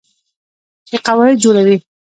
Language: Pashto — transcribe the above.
چې قواعد جوړوي.